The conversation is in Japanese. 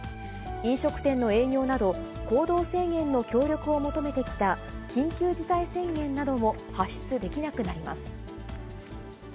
飲食店の営業など、行動制限の協力を求めてきた緊急事態宣言なども発出できなくなります。